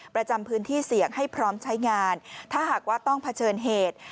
ประจำพื้นที่เสี่ยงให้พร้อมใช้งานถ้าหากว่าต้องเผชิญเหตุ